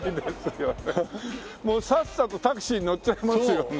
もうさっさとタクシーに乗っちゃいますよね。